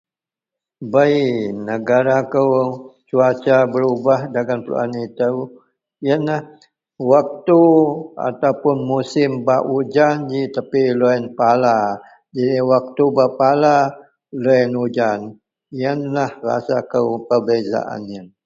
Bei negara kou cuaca berubah dagen peluen ito iyenlah waktu ataupuon musim bak ujan ji tapi loyen pala ji waktu bak pala loyen ujan iyenlah rasa kou pebezaan iyen.